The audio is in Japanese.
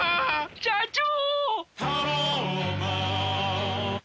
社長！